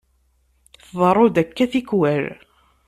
Tḍerru-d akka tikkwal.